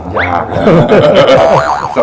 ยากล่า